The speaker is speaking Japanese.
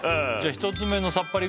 １つ目のさっぱり